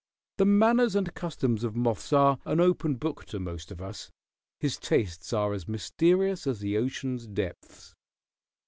The manners and customs of moths are an open book to most of us. His tastes are as mysterious as the ocean's depths."